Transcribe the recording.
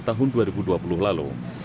tahun dua ribu dua puluh lalu